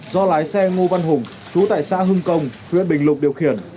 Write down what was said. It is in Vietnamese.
đây là số lượng bánh trung thu không rõ nguồn gốc xuất xứ